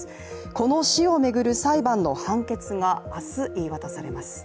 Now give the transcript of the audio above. この死を巡る裁判の判決が明日、言い渡されます。